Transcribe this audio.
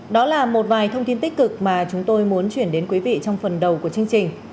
đó là một vài thông tin tích cực mà chúng tôi muốn chuyển đến quý vị trong phần đầu của chương trình